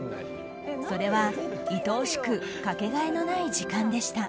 それは、いとおしくかけがえのない時間でした。